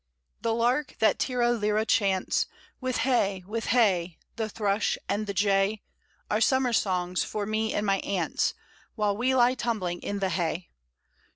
The lark, that tirra lyra chants, With heigh! with heigh! the thrush and the jay, Are summer songs for me and my aunts, While we lie tumbling in the hay